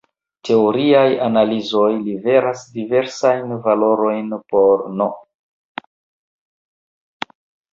Teoriaj analizoj liveras diversajn valorojn por "n".